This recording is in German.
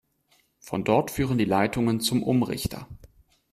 Von dort führen die Leitungen zum Umrichter.